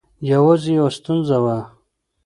یوازې یوه ستونزه وه.